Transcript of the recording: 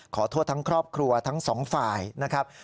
ขอโทษทั้งครอบครัวทั้งสองฝ่ายนะครับ